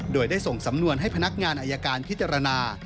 โดยได้ส่งสำนวนให้พนักงานอายการพิจารณา